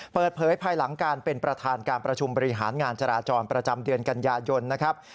เปิดเผยภายหลังการเป็นประธานการประชุมบริหารงานจราจรประจำเดือนกันยายนนะครับ